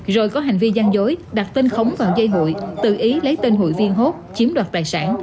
rồi có hành vi gian dối đặt tên khống vào dây hụi tự ý lấy tên hụi viên hốt chiếm đoạt tài sản